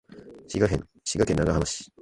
滋賀県長浜市